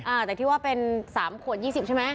แต่ที่ว่าเป็น๓ขวด๒๐ใช่ไหม